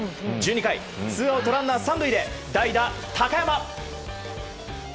１２回ツーアウトランナー３塁で代打、高山。